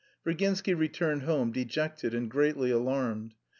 Virginsky returned home dejected and greatly alarmed.